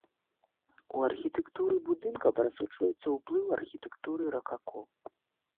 У архітэктуры будынка прасочваецца ўплыў архітэктуры ракако.